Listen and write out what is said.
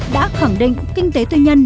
đã khẳng định kinh tế tư nhân